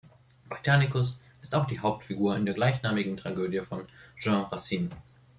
Britannicus ist auch die Hauptfigur in der gleichnamigen Tragödie von Jean Racine.